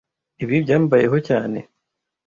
Ibi byambayeho cyane